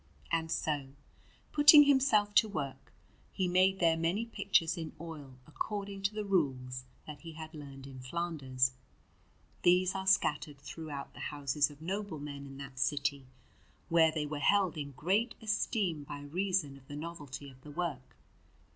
And so, putting himself to work, he made there many pictures in oil according to the rules that he had learned in Flanders; these are scattered throughout the houses of noblemen in that city, where they were held in great esteem by reason of the novelty of the work.